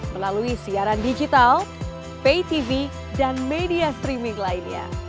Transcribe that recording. melalui siaran digital pay tv dan media streaming lainnya